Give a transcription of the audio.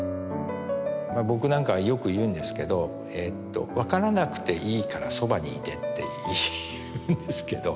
僕なんかはよく言うんですけど「分からなくていいからそばにいて」って言うんですけど。